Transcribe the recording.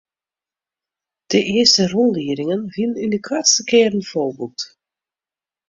De earste rûnliedingen wiene yn de koartste kearen folboekt.